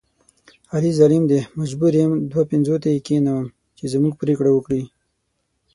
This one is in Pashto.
علي ظالم دی مجبوره یم دوه پنځوته یې کېنوم چې زموږ پرېکړه وکړي.